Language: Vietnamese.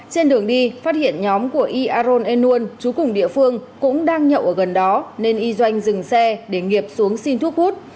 trên đường đi phát hiện nhóm của y aon enun chú cùng địa phương cũng đang nhậu ở gần đó nên y doanh dừng xe để nghiệp xuống xin thuốc hút